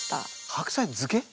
白菜漬け！？